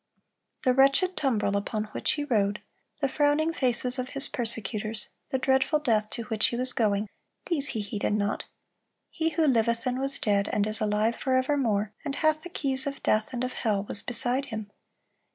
The wretched tumbrel upon which he rode, the frowning faces of his persecutors, the dreadful death to which he was going,—these he heeded not; He who liveth and was dead, and is alive forevermore, and hath the keys of death and of hell, was beside him.